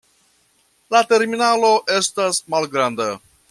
La terminalo estas malgranda.